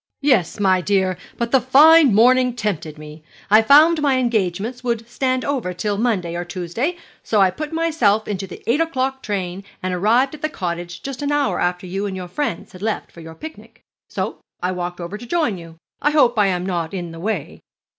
'Yes, my dear: but the fine morning tempted me. I found my engagements would stand over till Monday or Tuesday, so I put myself into the eight o'clock train, and arrived at The Cottage just an hour after you and your friends had left for your picnic. So I walked over to join you. I hope I am not in the way.'